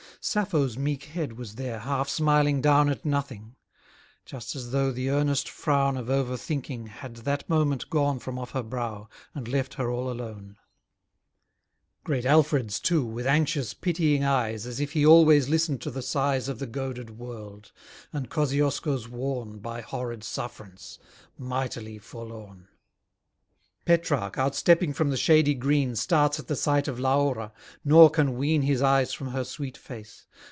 Sappho's meek head was there half smiling down At nothing; just as though the earnest frown Of over thinking had that moment gone From off her brow, and left her all alone. Great Alfred's too, with anxious, pitying eyes, As if he always listened to the sighs Of the goaded world; and Kosciusko's worn By horrid suffrance mightily forlorn. Petrarch, outstepping from the shady green, Starts at the sight of Laura; nor can wean His eyes from her sweet face.